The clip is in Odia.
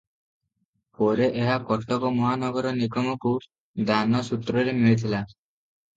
ପରେ ଏହା କଟକ ମହାନଗର ନିଗମକୁ ଦାନ ସୂତ୍ରରେ ମିଳିଥିଲା ।